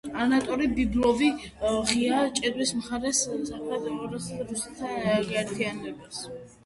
ანატოლი ბიბილოვი ღიად უჭერს მხარს სამხრეთ ოსეთის რუსეთთან გაერთიანებას.